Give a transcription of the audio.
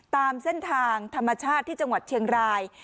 ตามเส้นทางธรรมชาติที่จังหวัดเชียงราย